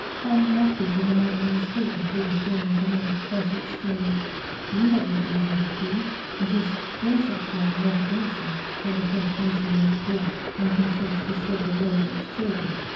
Finding afterwards, that the man had escaped before the storming commenced, Hoche exclaimed, "HE had no reason to flee! It is for such men, not against them, that the French nation makes war, and consents to shed the blood of its children."